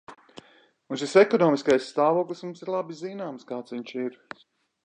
Un šis ekonomiskais stāvoklis mums ir labi zināms, kāds viņš ir.